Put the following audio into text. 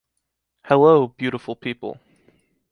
Hello, beautiful people!